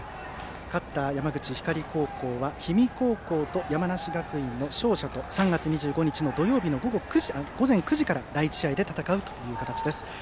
勝った山口・光高校は氷見高校と山梨学院の勝者と３月２５日の土曜日午前９時から第１試合で戦うという形です。